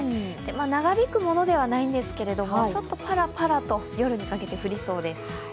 長引くものではないんですけれどもちょっとパラパラと夜にかけて降りそうです。